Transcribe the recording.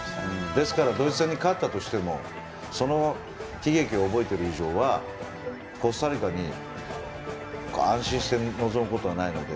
ですから、ドイツ戦に勝ったとしてもその悲劇を覚えている以上はコスタリカに安心して臨むことはないので。